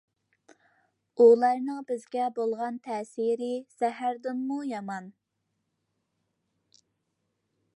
ئۇلارنىڭ بىزگە بولغان تەسىرى زەھەردىنمۇ يامان.